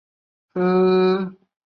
你知不知道明天就要开拍了